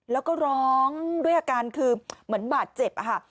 แล้วก็ร้องด้วยอาการคือเหมือนบาดเจ็บค่ะ